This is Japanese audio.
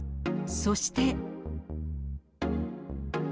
そして。